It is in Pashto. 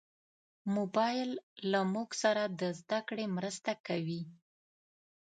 موبایل له موږ سره د زدهکړې مرسته کوي.